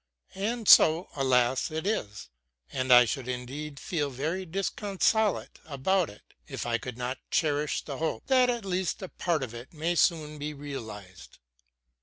And so, alas, it is; and I should indeed feel very disconsolate about it if I could not cherish the hope that at least a part of it may soon be realized.